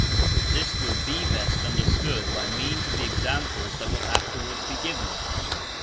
This will be best understood by means of the examples that will afterwards be given.